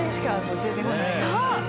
［そう。